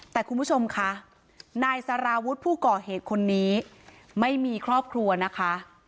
แต่คุณผู้ชมคะนายสารวุฒิผู้ก่อเหตุคนนี้ไม่มีครอบครัวนะคะ